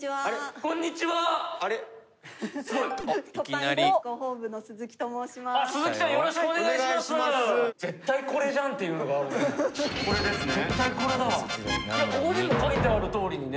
ここにも書いてあるとおりにね